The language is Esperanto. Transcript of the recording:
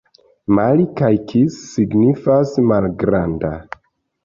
Mali kaj kis signifas: malgranda.